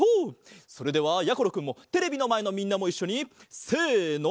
それではやころくんもテレビのまえのみんなもいっしょにせの。